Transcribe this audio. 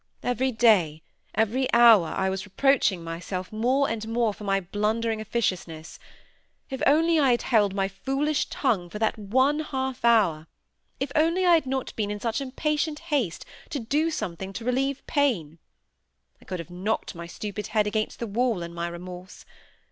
Every day, every hour, I was reproaching myself more and more for my blundering officiousness. If only I had held my foolish tongue for that one half hour; if only I had not been in such impatient haste to do something to relieve pain! I could have knocked my stupid head against the wall in my remorse.